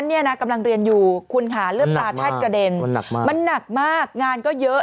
นี่นะกำลังเรียนอยู่คุณค่ะมันหนักมากงานก็เยอะ